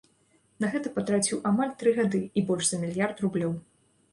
На гэта патраціў амаль тры гады і больш за мільярд рублёў.